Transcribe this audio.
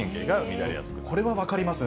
これは分かりますね。